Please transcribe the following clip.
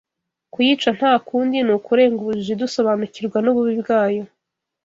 Kuyica nta kundi ni ukurenga ubujiji dusobanukirwa n’ububi bwayo